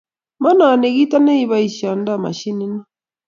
Manoni kito ne kiboisiondoi mashinit ni